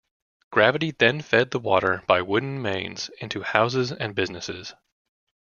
Gravity then fed the water by wooden mains into houses and businesses.